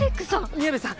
宮部さん